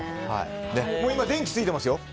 今、電気ついてますよ。